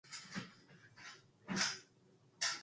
This is a high proper-motion star.